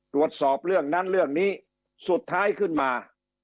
ตรวจสอบเรื่องนั้นเรื่องนี้สุดท้ายขึ้นมา